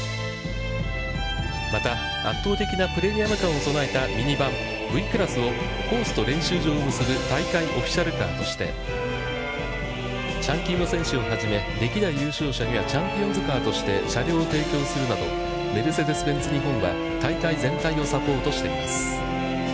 また、圧倒的なプレミアム感を備えたミニバン・Ｖクラスを、コースと練習場を結ぶ大会オフィシャルカーとして、チャン・キム選手をはじめ歴代優勝者にはチャンピオンズカーとして車両を提供するなど、メルセデス・ベンツ日本は大会全体をサポートしています。